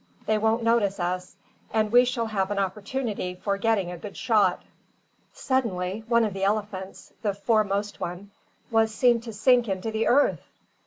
They won't notice us, and we shall have an opportunity for getting a good shot." Suddenly one of the elephants the foremost one was seen to sink into the earth!